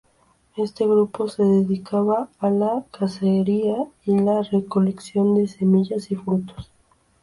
Este grupo se dedicaba a la cacería y la recolección de semillas y frutos.